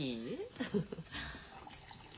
ウフフフ。